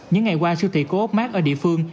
những ngày qua siêu thị của úc mát ở địa phương